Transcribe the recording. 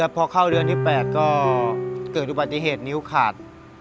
พอเข้าเดือนที่๘ก็เกิดอุบัติเหตุนิ้วขาด